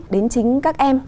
đến chính các em